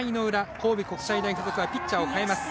神戸国際大付属はピッチャーを代えます。